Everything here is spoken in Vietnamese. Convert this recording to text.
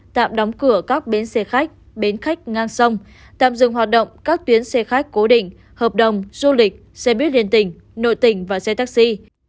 tạm đóng cửa các bến xe khách bến khách ngang sông tạm dừng hoạt động các tuyến xe khách cố định hợp đồng du lịch xe buýt liên tỉnh nội tỉnh và xe taxi